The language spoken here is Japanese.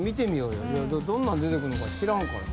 どんなん出てくんのか知らんから。